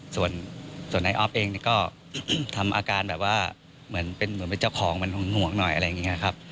ส่วนน้องอ๊อฟเองก็ทำอาการเหมือนเป็นเจ้าของหว่างหน่อยอะไรอย่างนี้ครับ